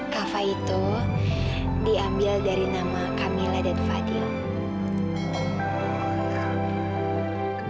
kava itu diambil dari nama camela dan fadil